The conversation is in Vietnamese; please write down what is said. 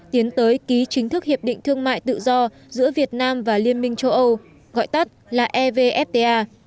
tiến tới ký chính thức hiệp định thương mại tự do giữa việt nam và liên minh châu âu gọi tắt là evfta